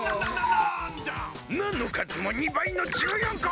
ナのかずも２ばいの１４こ。